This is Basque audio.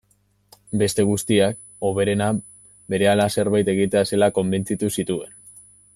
Beste guztiak, hoberena, berehala zerbait egitea zela konbentzitu zituen.